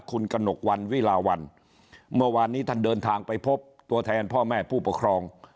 คุณกระหนกวันวิลาวันเมื่อวานนี้ท่านเดินทางไปพบตัวแทนพ่อแม่ผู้ปกครอง